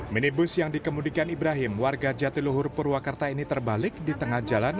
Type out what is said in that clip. minibus yang dikemudikan ibrahim warga jatiluhur purwakarta ini terbalik di tengah jalan